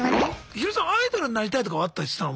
ヒヨリさんアイドルになりたいとかはあったりしたの？